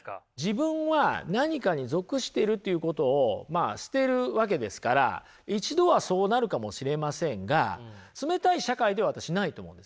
自分は何かに属してるということを捨てるわけですから一度はそうなるかもしれませんが冷たい社会では私ないと思うんです。